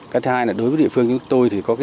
cái thứ hai là đối với địa phương